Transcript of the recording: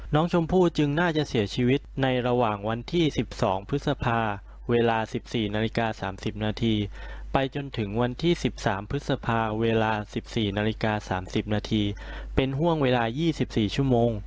น้องชมพู่จึงน่าจะเสียชีวิตในระหว่างวันที่๑๒พฤษภาเวลา๑๔นาฬิกา๓๐นาทีไปจนถึงวันที่๑๓พฤษภาเวลา๑๔นาฬิกา๓๐นาทีเป็นห่วงเวลา๒๔ชั่วโมง